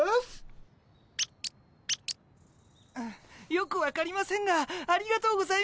よく分かりませんがありがとうございます。